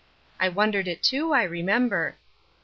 " I wondered it, too, I remember.